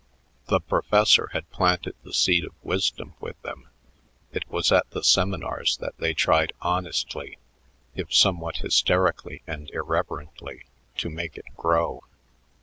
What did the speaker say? The professor had planted the seed of wisdom with them; it was at the seminars that they tried honestly, if somewhat hysterically and irreverently, to make it grow.